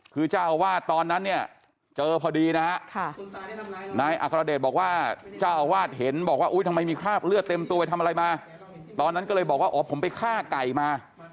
คือเจ้าอาวาสตอนนั้นเนี่ยเจอพอดีนะฮะนายอัครเดชบอกว่าเจ้าอาวาสเห็นบอกว่าอุ๊ยทำไมมีคราบเลือดเต็มตัวไปทำอะไรมาตอนนั้นก็เลยบอกว่าอ๋อผมไปฆ่าไก่มา